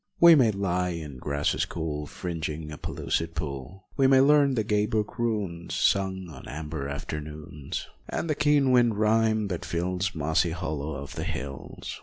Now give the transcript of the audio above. We may lie in grasses cool Fringing a pellucid pool, We may learn the gay brook runes Sung on amber afternoons, And the keen wind rhyme that fills Mossy hollows of the hills.